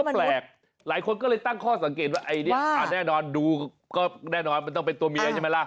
แปลกหลายคนก็เลยตั้งข้อสังเกตว่าไอ้นี่แน่นอนดูก็แน่นอนมันต้องเป็นตัวเมียใช่ไหมล่ะ